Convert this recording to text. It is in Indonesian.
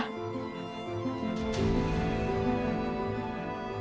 ketika dia tahu apa yang udah kita jalanin